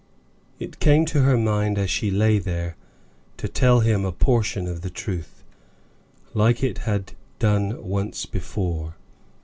It came to her mind, as she lay there, to tell him a portion of the truth, like it had done once before.